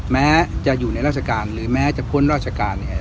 แม้จะอยู่ในราชการหรือแม้จะพ้นราชการเนี่ย